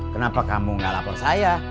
kenapa kamu gak lapor saya